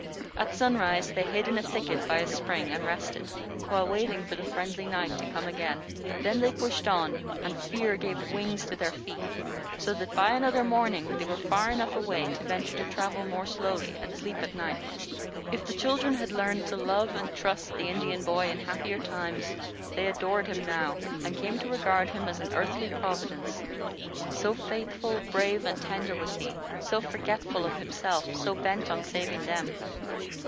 At sunrise they hid in a thicket by a spring and rested, while waiting for the friendly night to come again. Then they pushed on, and fear gave wings to their feet, so that by another morning they were far enough away to venture to travel more slowly and sleep at night. If the children had learned to love and trust the Indian boy in happier times, they adored him now, and came to regard him as an earthly Providence; so faithful, brave, and tender was he, so forgetful of himself, so bent on saving them.